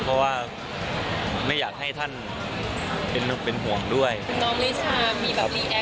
เพราะว่าไม่อยากให้ท่านเป็นเป็นห่วงด้วยน้องมีแบบอะไรไหม